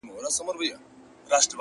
• د يوسفي حُسن شروع ته سرگردانه وو،